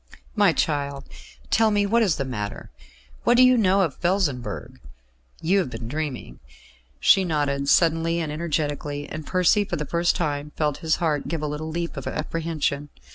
"My child, tell me what is the matter. What do you know of Felsenburgh? You have been dreaming." She nodded suddenly and energetically, and Percy for the first time felt his heart give a little leap of apprehension.